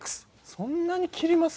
そんなに切ります？